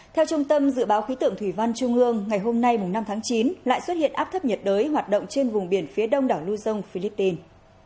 theo trung tâm dự báo khí tượng thủy văn trung ương ngày hôm nay năm tháng chín lại xuất hiện áp thấp nhiệt đới hoạt động trên vùng biển phía đông đảo luzon philippines